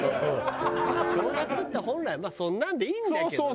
正月って本来まあそんなんでいいんだけどね。